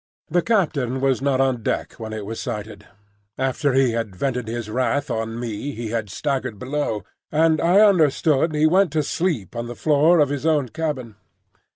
The captain was not on deck when it was sighted. After he had vented his wrath on me he had staggered below, and I understand he went to sleep on the floor of his own cabin.